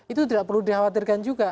itu tidak perlu dikhawatirkan juga